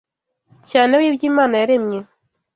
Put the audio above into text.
cyane w’ibyo Imana yaremye